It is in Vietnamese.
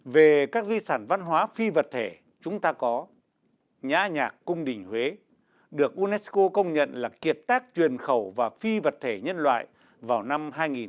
về các di sản văn hóa phi vật thể chúng ta có nhã nhạc cung đình huế được unesco công nhận là kiệt tác truyền khẩu và phi vật thể nhân loại vào năm hai nghìn một mươi